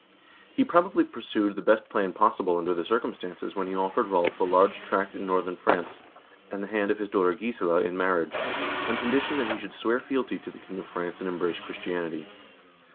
He probably pursued the best plan possible under the circumstances when he offered Rolv a large tract in northern France, and the hand of his daughter Gisela in marriage, on condition that he should swear fealty to the king of France and embrace Christianity.